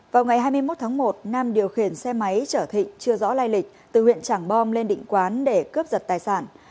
vào ngày hai mươi một tháng một nam điều khiển xe máy chở thịnh chưa rõ lai lịch từ huyện trảng bom lên định quán để cướp giật tài sản